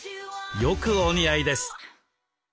よくお似合いです。